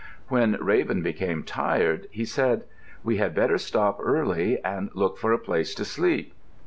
When Raven became tired he said, "We had better stop early and look for a place to sleep."